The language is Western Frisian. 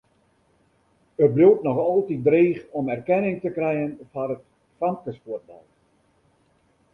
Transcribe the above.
It bliuwt noch altyd dreech om erkenning te krijen foar it famkesfuotbal.